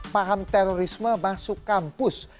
paham terorisme masuk kampus